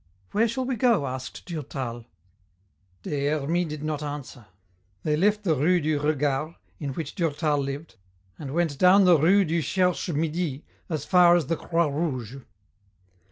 "Where shall we go?" asked Durtal. Des Hermies did not answer. They left the rue du Regard, in which Durtal lived, and went down the rue du Cherche Midi as far as the Croix Rouge.